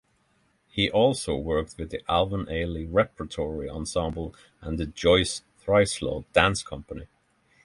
He also worked with the Alvin Ailey Repertory Ensemble and the Joyce Trisler Danscompany.